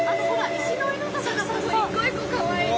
石の色が１個１個かわいいね。